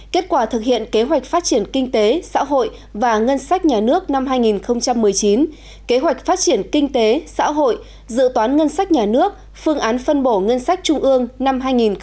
kết quả thực hiện kế hoạch phát triển kinh tế xã hội và ngân sách nhà nước năm hai nghìn một mươi chín kế hoạch phát triển kinh tế xã hội dự toán ngân sách nhà nước phương án phân bổ ngân sách trung ương năm hai nghìn hai mươi